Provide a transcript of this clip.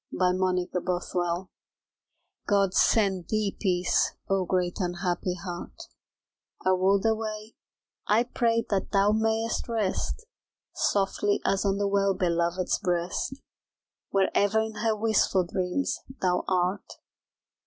A SONG OF HELOISE God send thee peace, Oh, great unhappy heart A world away, I pray that thou mayst rest Softly as on the Well Belovèd's breast, Where ever in her wistful dreams thou art.